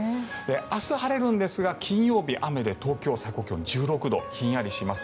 明日、晴れるんですが金曜日、雨で東京は最高気温、１６度ひんやりします。